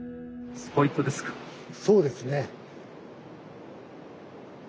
そうですね。